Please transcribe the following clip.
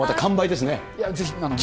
いや、ぜひ。